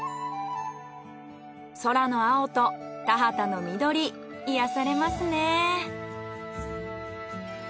空の青と田畑の緑癒やされますねぇ。